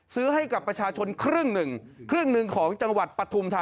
ซื้อให้กับประชาชนครึ่งหนึ่งครึ่งหนึ่งของจังหวัดปฐุมธา